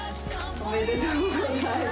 おめでとうございます。